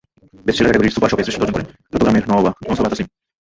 Best seller ক্যাটাগরির super গ্রুপে শ্রেষ্ঠত্ব অর্জন করেন চট্টগ্রামের নওসাবা তাসলিম।